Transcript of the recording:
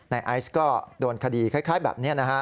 ในไอซ์ก็โดนคดีคล้ายแบบนี้